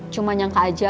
cuma nyangka aja